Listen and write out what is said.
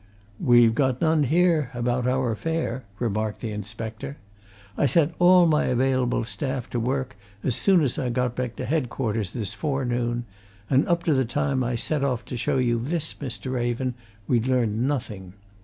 "We've got none here about our affair," remarked the inspector. "I set all my available staff to work as soon as I got back to headquarters this forenoon, and up to the time I set off to show you this, Mr. Raven, we'd learned nothing.